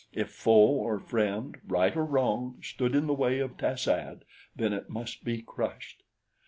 If foe or friend, right or wrong, stood in the way of tas ad, then it must be crushed.